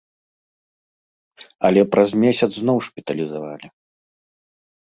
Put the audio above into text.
Але праз месяц зноў шпіталізавалі.